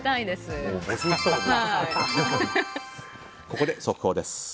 ここで速報です。